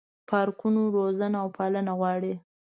پارکونه روزنه او پالنه غواړي.